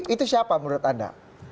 itu siapa menurut anda